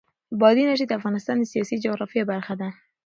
بادي انرژي د افغانستان د سیاسي جغرافیه برخه ده.